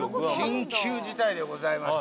緊急事態でございまして。